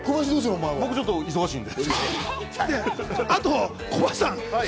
僕はちょっと忙しいんで。